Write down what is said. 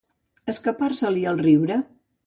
Escapar-se-li el riure.